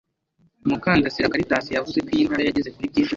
Mukandasira Caritas yavuze ko iyi ntara yageze kuri byinshi